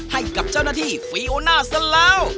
ให้กับเจ้าหน้าที่ฟิลน่าซะแล้ว